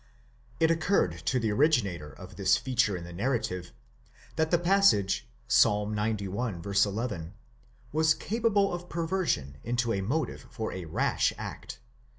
It occurred to the originator of this feature in the narrative, that the pas sage Ps. xci. 11 was capable of perversion into a motive fora rash act.